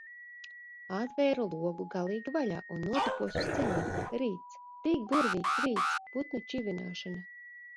Atvēru logu galīgi vaļā un notupos uz ceļiem. Rīts. Tik burvīgs rīts! Putnu čivināšana.